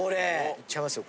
いっちゃいますよ